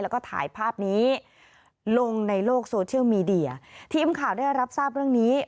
แล้วก็ถ่ายภาพนี้ลงในโลกโซเชียลมีเดียทีมข่าวได้รับทราบเรื่องนี้